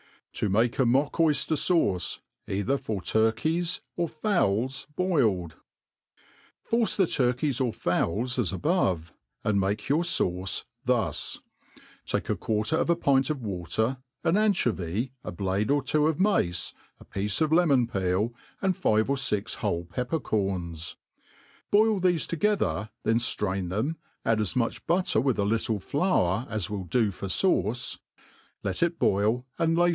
To make a mock Oyjier faucs^ either for Turkies or Fowls hileef^ FORCE the turkies or fowls as above, and make your fauce thus : take a quarter of a pint of water, an anchovy, ^ blade or two of mace, a piece of lemon peel, and five or fix whole pepper cors. Boil thefe together, then ftrain them| add as much butter with a little flour as will do for fauce ; let it boil, and lay.